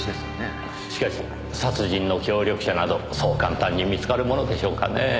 しかし殺人の協力者などそう簡単に見つかるものでしょうかねえ。